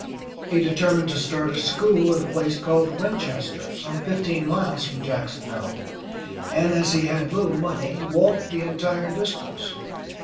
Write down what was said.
He determined to start a school at a place called Winchester, some fifteen miles from Jacksonville, and as he had little money, walked the entire distance.